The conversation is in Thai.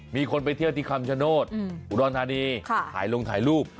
มีคนไปเที่ยวที่คำชโนธอุดรธานีถ่ายลงถ่ายรูป